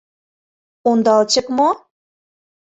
Ондалчык мо?